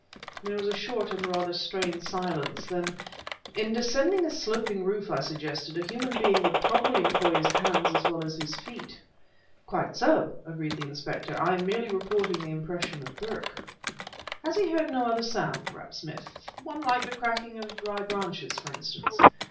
There was a short and rather strained silence. Then: "In descending a sloping roof," I suggested, "a human being would probably employ his hands as well as his feet." "Quite so," agreed the inspector. "I am merely reporting the impression of Burke." "Has he heard no other sound?" rapped Smith; "one like the cracking of dry branches, for instance?"